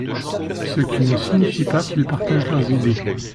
Ce qui ne signifie pas qu'il partage leurs idées.